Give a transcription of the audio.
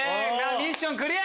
ミッションクリア！